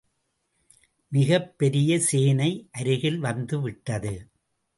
மிகப் பெரிய சேனை அருகில் வந்து விட்டது.